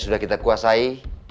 sudah kita kuasai